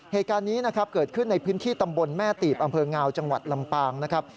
เหตุการณ์นี้นะครับเกิดขึ้นในพื้นที่ตำบลแม่ตีบอำเภองาวจังหวัดลำปางนะครับ